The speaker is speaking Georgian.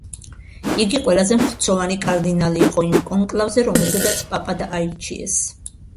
იგი ყველაზე მხცოვანი კარდინალი იყო იმ კონკლავზე, რომელზედაც პაპად აირჩიეს.